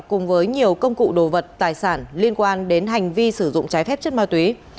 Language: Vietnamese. cùng với nhiều công cụ đồ vật tài sản liên quan đến hành vi sử dụng trái phép chất ma túy